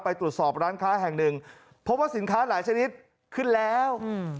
ไปตรวจสอบร้านค้าแห่งหนึ่งเพราะว่าสินค้าหลายชนิดขึ้นแล้วอืม